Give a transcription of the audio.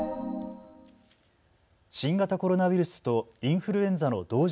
新型コロナウイルスとインフルエンザの同時